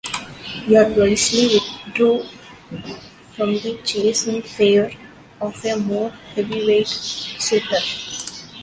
Wyatt wisely withdrew from the chase in favor of a more heavyweight suitor.